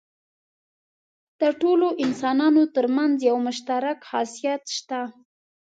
د ټولو انسانانو تر منځ یو مشترک خاصیت شته.